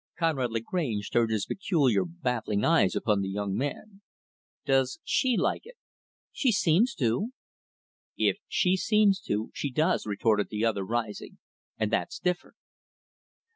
Conrad Lagrange turned his peculiar, baffling eyes upon the young man. "Does she like it?" "She seems to." "If she seems to, she does," retorted the other, rising. "And that's different."